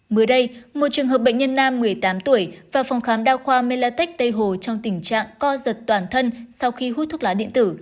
mới đây một trường hợp bệnh nhân nam một mươi tám tuổi và phòng khám đa khoa melatech tây hồ trong tình trạng co giật toàn thân sau khi hút thuốc lá điện tử